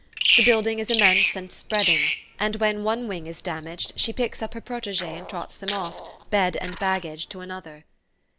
The building is immense and spreading, and when one wing is damaged she picks up her proteges and trots them off, bed and baggage, to another.